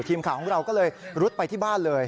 ทีมข่าวของเราก็เลยรุดไปที่บ้านเลย